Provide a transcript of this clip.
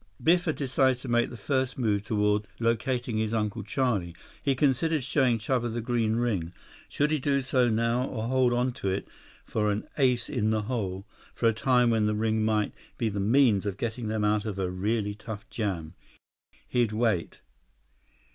Biff had decided to make the first move toward locating his Uncle Charlie. He considered showing Chuba the green ring. Should he do so now, or hold on to it for an ace in the hole, for a time when the ring might be the means of getting them out of a really tough jam. He'd wait.